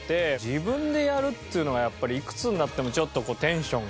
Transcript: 自分でやるっていうのがやっぱりいくつになってもちょっとこうテンションが。